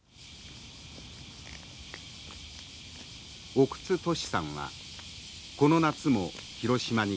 奥津トシさんはこの夏も広島に来ました。